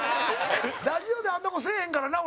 ラジオであんな事せえへんからな、俺。